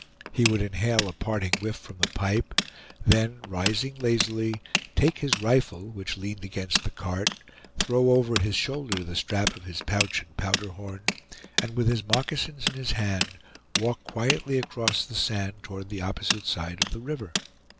He would inhale a parting whiff from the pipe, then rising lazily, take his rifle, which leaned against the cart, throw over his shoulder the strap of his pouch and powder horn, and with his moccasins in his hand walk quietly across the sand toward the opposite side of the river.